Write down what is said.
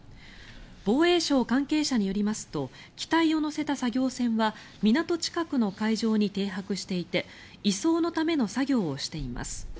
防衛省関係者によりますと機体を載せた作業船は港近くの海上に停泊していて移送のための作業をしています。